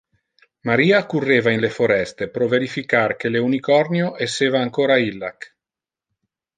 Maria curreva in le foreste pro verificar que le unicornio esseva ancora illac.